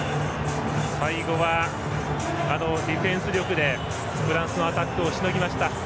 最後はディフェンス力でフランスのアタックをしのぎました。